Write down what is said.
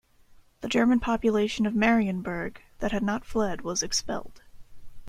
The German population of Marienburg that had not fled was expelled.